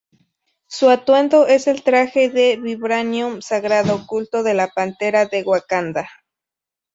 Su atuendo es el traje de vibranium sagrado Culto de la Pantera de Wakanda.